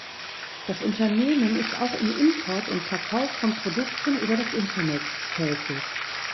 Das Unternehmen ist auch im Import und Verkauf von Produkten über das Internet tätig.